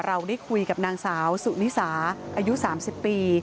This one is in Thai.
เราได้คุยกับนางสาวสุนิสาอายุ๓๐ปี